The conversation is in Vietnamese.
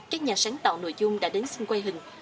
các nhà sáng tạo nội dung đã đến xin quay hình